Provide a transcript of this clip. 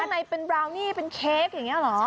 ในเป็นบราวนี่เป็นเค้กอย่างนี้เหรอ